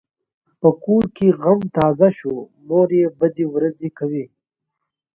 په کور کې غم تازه شو؛ مور یې بدې ورځې کوي.